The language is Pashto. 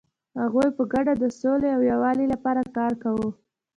هغوی په ګډه د سولې او یووالي لپاره کار کاوه.